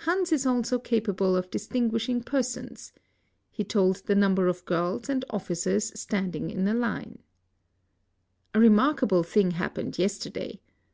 Hans Is ^Iso capable of distinguishing persons. He iold the number of glrla and offlcaers standing In a Una A remarkalde thing happened yesterday.